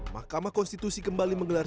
mahkamah konstitusi kembali menggelar